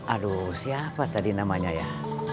aduh siapa tadi namanya ya